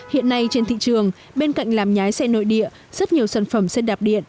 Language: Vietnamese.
hiện nay trên thị trường bên cạnh làm nhái xe nội địa rất nhiều sản phẩm xe đạp điện